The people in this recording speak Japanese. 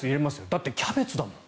だってキャベツだもん。